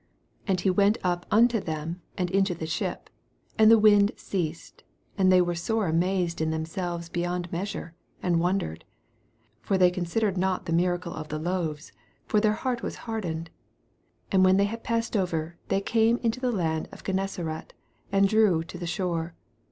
51 And he went up unto them into the ship : and the wind ceased : and they were sore amazed in themselves beyond measure, and wondered. 52 For they considered not Ike mir acle of the loaves : for their heart waa hardened. 53 And when they had passed over, they came into the land of Gennesa ret, and drew to the shore.